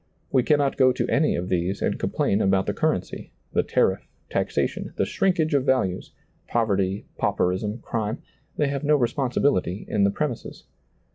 We cannot go to any of these and complain about the cur rency, the tariff, taxation, the shrinkage of values ; poverty, pauperism, crime ; they have no responsi bility in the premises.